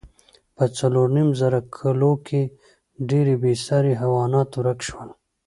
په څلورو نیم زره کلو کې ډېری بېساري حیوانات ورک شول.